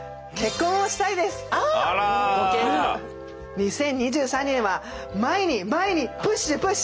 ２０２３年は前に前にプッシュプッシュ。